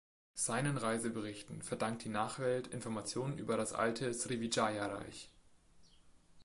Seinen Reiseberichten verdankt die Nachwelt Informationen über das alte Srivijaya-Reich.